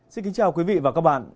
xin kính chào quý vị và các bạn